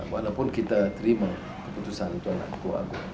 walaupun kita terima keputusan tuan ketua agung